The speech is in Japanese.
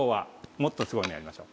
もっとすごいのやりましょう。